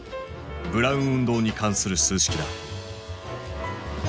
ブラウン運動に関する数式だ。